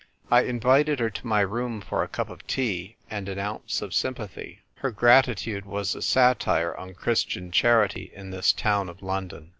I invited her to my room for a cup of tea, and an ounce of sympathy. Her gratitude was a satire on Christian charity in this town of London.